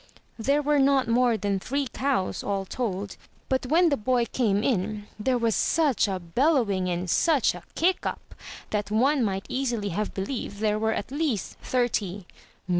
There were not more than three cows, all told. But when the boy came in, there was such a bellowing and such a kick up, that one might easily have believed there were at least thirty.